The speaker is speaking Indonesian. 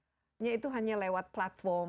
sebenarnya itu hanya lewat platform